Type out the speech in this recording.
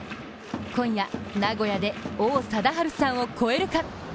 今夜、名古屋で王貞治さんを超えるか？